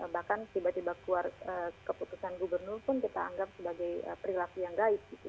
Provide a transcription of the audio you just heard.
bahkan tiba tiba keluar keputusan gubernur pun kita anggap sebagai perilaku yang gaib gitu